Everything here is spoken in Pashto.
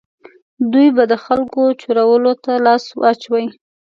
دوی به د خلکو چورولو ته لاس واچوي.